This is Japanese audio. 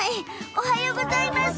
おはようございます！